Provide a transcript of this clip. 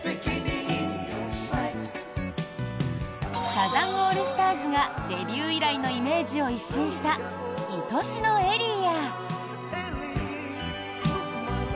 サザンオールスターズがデビュー以来のイメージを一新した「いとしのエリー」や。